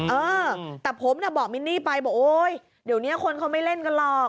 เออแต่ผมบอกมินนี่ไปบอกโอ๊ยเดี๋ยวนี้คนเขาไม่เล่นกันหรอก